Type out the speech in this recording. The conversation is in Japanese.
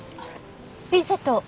ピンセットを。